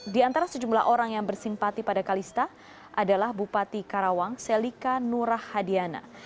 di antara sejumlah orang yang bersimpati pada kalista adalah bupati karawang selika nurahadiana